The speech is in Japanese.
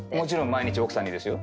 毎日奥さんにですよ。